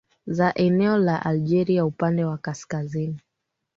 za eneo la Algeria upande wa kaskazini